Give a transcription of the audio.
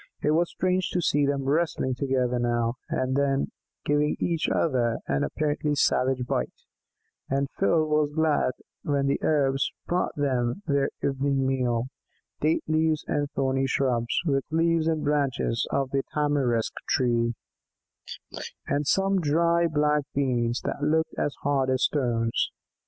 It was strange to see them wrestling together, now and then giving each other an apparently savage bite, and Phil was glad when the Arabs brought them their evening meal date leaves and thorny shrubs, with leaves and branches of the tamarisk tree, and some dry black beans that looked as hard as stones.